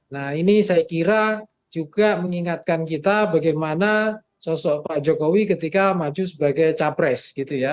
nah ini saya kira juga mengingatkan kita bagaimana sosok pak jokowi ketika maju sebagai capres gitu ya